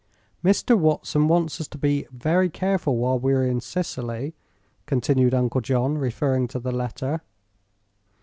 "Mr. Watson wants us to be very careful while we are in Sicily," continued Uncle John, referring to the letter.